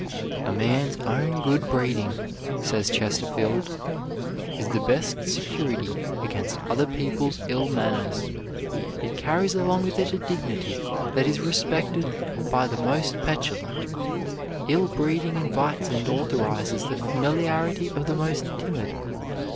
"A man's own good breeding," says Chesterfield, "is the best security against other people's ill manners. It carries along with it a dignity that is respected by the most petulant. Ill breeding invites and authorizes the familiarity of the most timid.